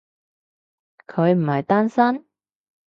佢唔係單身？